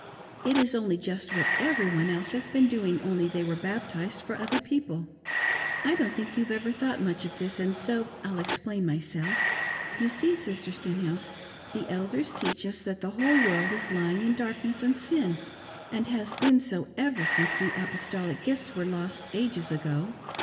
It i^ only just what every one else ha,s been doing, only they were baptized fpr other people. I don't think you've ever thought much of thi^, ^nd so I'll explain myself. You see, Sistes Stenhouse, the Elders teach us that the whole world is lying jn ^rlcnes^ s^d pin, and has been so, ever since the apostoliq gifts were Ip^t ^ges ago.